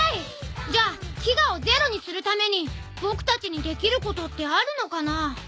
じゃあきがをゼロにするためにぼくたちにできることってあるのかな？